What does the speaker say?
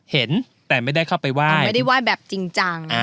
เห็นแต่ไม่ได้เข้าไปไหว้ไม่ได้ไหว้แบบจริงจัง